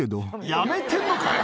辞めてんのかよ。